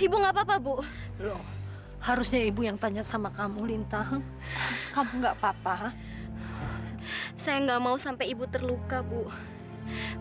ibu enggak papa bu harusnya ruby yang tanya sama kamu linta kamu enggak papa saya enggak mau sampai ibu terluka bu saya akan terus melindungi ibu